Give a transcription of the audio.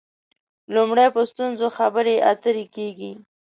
لومړی په ستونزو خبرې اترې کېږي.